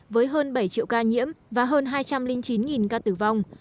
với hơn bảy triệu ca nhiễm và hơn hai trăm linh chín ca tử vong